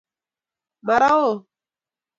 Mara ooo